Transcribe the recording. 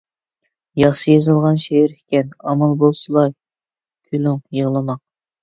ياخشى يېزىلغان شېئىر ئىكەن. ئامال بولسىلا كۈلۈڭ، يىغلىماڭ!